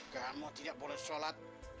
kamu tidak boleh sholat